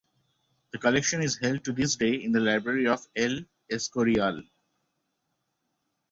The collection is held to this day in the library of El Escorial.